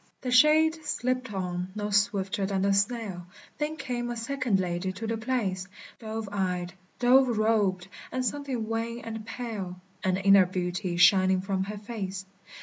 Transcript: The shade slipped on, no swifter than the snail; There came a second lady to the place, Dove eyed, dove robed, and something wan and pale, An inner beauty shining from her face.